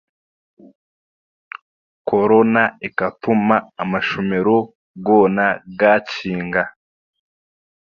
Korona ekatuma amashomero goona gaakinga